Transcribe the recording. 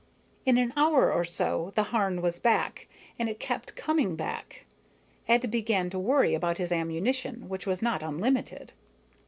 In an hour or so the Harn was back, and it kept coming back. Ed began to worry about his ammunition, which was not unlimited.